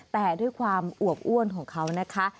แต่ด้วยความอวบอ้วนของเขานะคะ